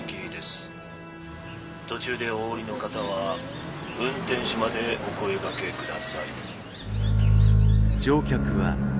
途中でお降りの方は運転手までお声がけください。